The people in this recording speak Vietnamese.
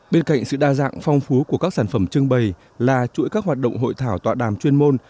bên cạnh sự đa dạng phong phú của các sản phẩm trưng bày là chuỗi các hoạt động hội thảo tọa đàm chuyên môn